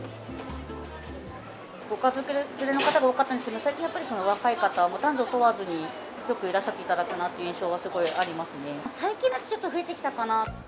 ご家族連れの方が多かったんですけど、最近やっぱり若い方、男女問わずによくいらっしゃっていただくなという印象はすごいあ最近ちょっと増えてきたかな。